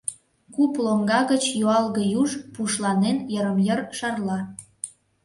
Куп лоҥга гыч юалге юж пушланен йырым-йыр шарла.